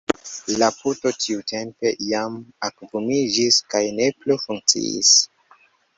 La puto tiutempe jam akvumiĝis kaj ne plu funkciis.